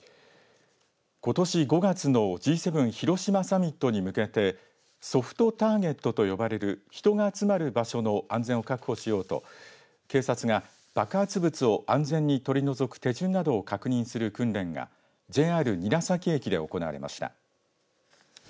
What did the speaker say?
ことし５月のＧ７広島サミットに向けてソフトターゲットと呼ばれる人が集まる場所の安全を確保しようと警察が爆発物を安全に取り除く手順などを確認する訓練がＪＲ韮崎駅で行われました。